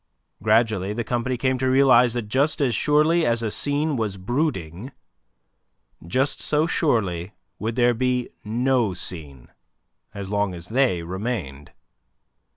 Gradually the company came to realize that just as surely as a scene was brooding, just so surely would there be no scene as long as they remained.